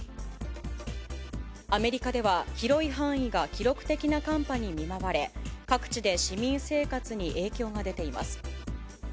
アメリカでは広い範囲が記録的な寒波に見舞われ、各地で市民生活に影響が出ています。